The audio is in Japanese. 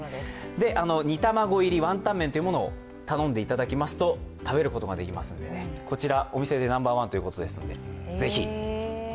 煮卵入りワンタンメンというのを頼んでいただくと食べることができるので、こちらお店でナンバーワンということですのでぜひ。